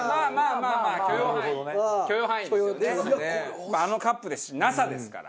まああのカップですしＮＡＳＡですから。